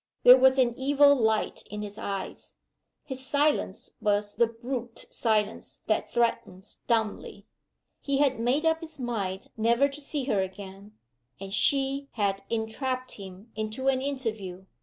There was an evil light in his eyes; his silence was the brute silence that threatens dumbly. He had made up his mind never to see her again, and she had entrapped him into an interview.